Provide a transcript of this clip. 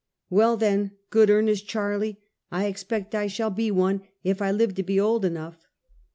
"Well then, good earnest, Charlie, I expect I shall be one, if I live to be old enough."